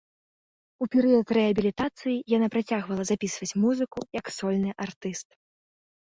У перыяд рэабілітацыі яна працягвала запісваць музыку як сольны артыст.